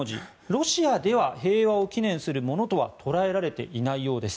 ロシアでは平和を祈念するものとは捉えられていないようです。